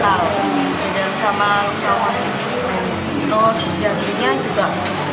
terus jantinya juga